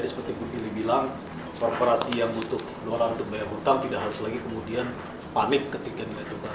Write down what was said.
seperti bu fili bilang korporasi yang butuh dolar untuk bayar utang tidak harus lagi kemudian panik ketika dia coba